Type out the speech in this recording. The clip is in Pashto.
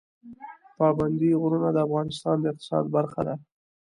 پابندی غرونه د افغانستان د اقتصاد برخه ده.